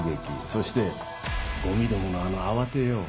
そしてゴミどものあの慌てよう。